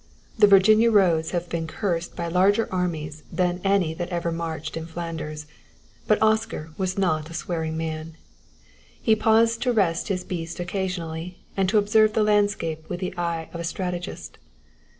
The Virginia roads have been cursed by larger armies than any that ever marched in Flanders, but Oscar was not a swearing man. He paused to rest his beast occasionally and to observe the landscape with the eye of a strategist.